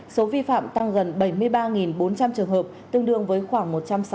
số vi phạm tăng gần bảy mươi ba bốn trăm linh trường hợp tương đương với khoảng một trăm sáu mươi